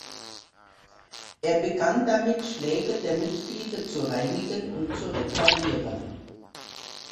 Er begann damit Schläger der Mitglieder zu reinigen und zu reparieren.